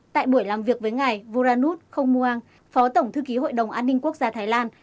tại buổi làm việc với ngài vuranut khong muaang phó tổng thư ký hội đồng an ninh quốc gia thái lan